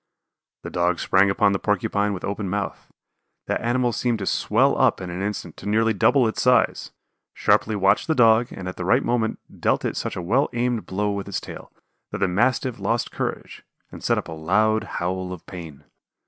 The Dog sprang upon the Porcupine with open mouth. That animal seemed to swell up in an instant to nearly double its size, sharply watched the Dog and at the right moment dealt it such a well aimed blow with its tail that the Mastiff lost courage and set up a loud howl of pain.